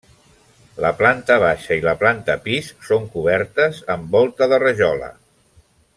La planta baixa i la planta pis són cobertes amb volta de rajola.